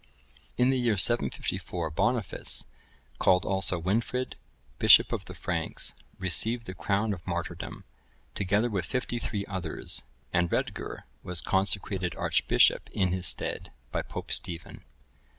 In the year 754, Boniface,(1075) called also Winfrid, Bishop of the Franks, received the crown of martyrdom, together with fifty three others; and Redger was consecrated archbishop in his stead, by pope Stephen.